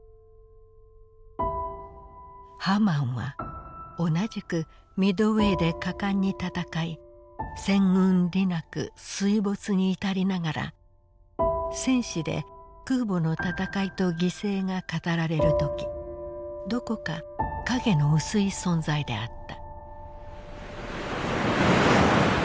「『ハマン』は同じくミッドウェーで果敢にたたかい戦運利なく水没に至りながら戦史で空母のたたかいと犠牲が語られるときどこか影の薄い存在であった」。